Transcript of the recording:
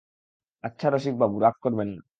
আচ্ছা রসিকবাবু, রাগ করবেন না।